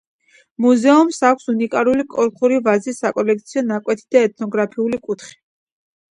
მუზეუმს აქვს უნიკალური კოლხური ვაზის საკოლექციო ნაკვეთი და ეთნოგრაფიული კუთხე.